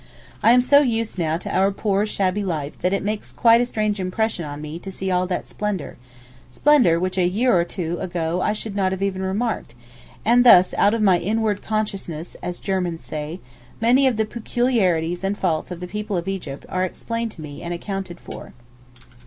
I am so used now to our poor shabby life that it makes quite a strange impression on me to see all that splendour—splendour which a year or two ago I should not even have remarked—and thus out of 'my inward consciousness' (as Germans say), many of the peculiarities and faults of the people of Egypt are explained to me and accounted for.